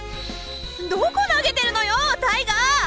どこ投げてるのよタイガー！